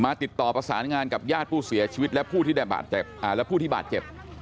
ติดต่อประสานงานกับญาติผู้เสียชีวิตและผู้ที่และผู้ที่บาดเจ็บ